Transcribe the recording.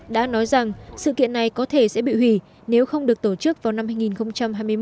đã nói rằng sự kiện này có thể sẽ bị hủy nếu không được tổ chức vào năm hai nghìn hai mươi một